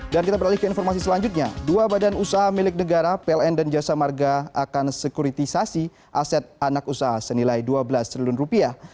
dan kita berlalu ke informasi selanjutnya dua badan usaha milik negara pln dan jasa marga akan sekuritisasi aset anak usaha senilai dua belas triliun rupiah